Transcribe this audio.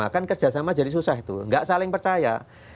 kan kerjasama jadi susah itu nggak saling percaya